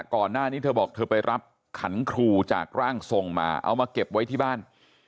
ก่อนหน้านี้เธอบอกเธอไปรับขันครูจากร่างทรงมาเอามาเก็บไว้ที่บ้าน